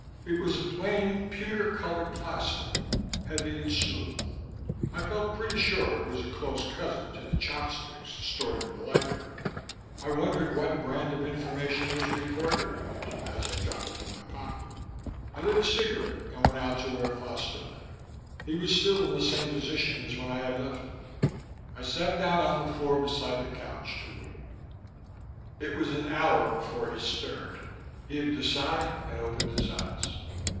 It was a plain pewter colored plastic, heavy and smooth. I felt pretty sure it was a close cousin to the chopsticks stored in the library. I wondered what brand of information was recorded in it as I dropped it in my pocket. I lit a cigarette and went out to where Foster lay. He was still in the same position as when I had left him. I sat down on the floor beside the couch to wait. It was an hour before he stirred, heaved a sigh, and opened his eyes.